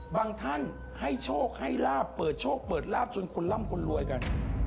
ท่านให้โชคให้ลาบเปิดโชคเปิดลาบจนคนร่ำคนรวยกัน